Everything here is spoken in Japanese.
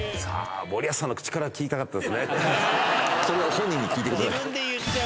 本人に聞いてください。